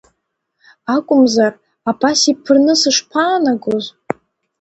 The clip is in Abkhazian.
Акәмзар абас иԥырны сышԥаанагоз?